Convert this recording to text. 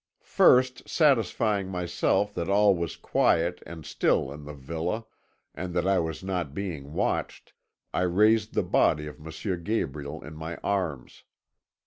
"First satisfying myself that all was quiet and still in the villa, and that I was not being watched, I raised the body of M. Gabriel in my arms.